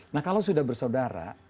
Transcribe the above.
nah kalau sudah bersaudara